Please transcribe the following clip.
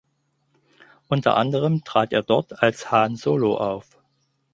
Unter anderem trat er dort als Han Solo auf.